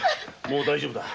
もう大丈夫だ。